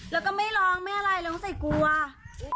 แล้วก็ไม่ร้องไม่อะไรร้องใส่กลัว